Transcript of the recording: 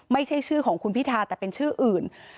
ไม่ใช่ชื่อของคุณพิธาแต่เป็นชื่ออื่น